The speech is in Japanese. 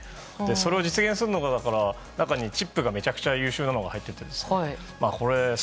それを実現するのが中にチップがめちゃくちゃ優秀なのが入っているんです。